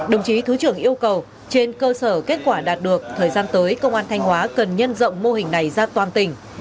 đồng chí thứ trưởng yêu cầu trên cơ sở kết quả đạt được thời gian tới công an thanh hóa cần nhân rộng mô hình này ra toàn tỉnh